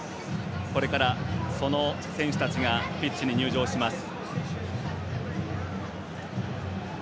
これから、その選手たちがピッチに入場します。